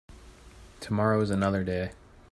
Tomorrow is another day.